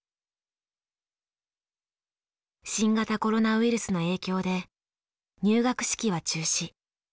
新型コロナウイルスの影響で入学式は中止。